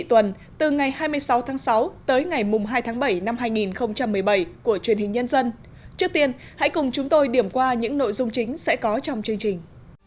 trước tiên hãy cùng chúng tôi điểm qua những nội dung chính sẽ có trong chương trình